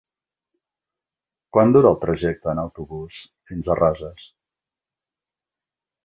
Quant dura el trajecte en autobús fins a Roses?